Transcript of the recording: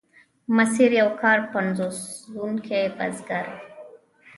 ماسیر یو کار پنځوونکی بزګر و.